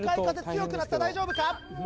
強くなった大丈夫か？